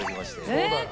そうだよ。